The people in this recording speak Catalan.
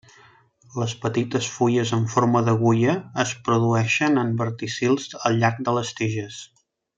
Les petites fulles en forma d'agulla es produeixen en verticils al llarg de les tiges.